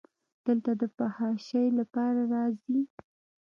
دلته د فحاشۍ لپاره راځي.